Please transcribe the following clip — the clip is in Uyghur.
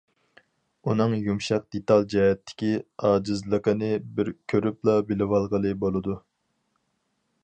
ئۇنىڭ يۇمشاق دېتال جەھەتتىكى ئاجىزلىقىنى بىر كۆرۈپلا بىلىۋالغىلى بولىدۇ.